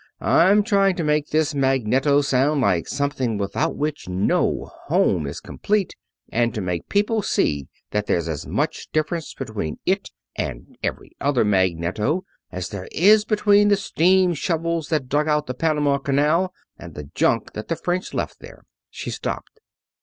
I'm trying to make this magneto sound like something without which no home is complete, and to make people see that there's as much difference between it and every other magneto as there is between the steam shovels that dug out the Panama Canal and the junk that the French left there " She stopped.